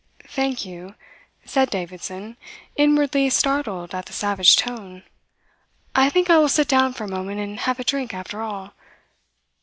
"Thank you," said, Davidson, inwardly startled at the savage tone. "I think I will sit down for a moment and have a drink, after all."